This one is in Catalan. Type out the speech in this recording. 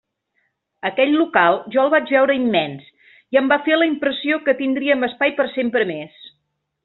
Aquell local jo el vaig veure immens i em va fer la impressió que tindríem espai per sempre més.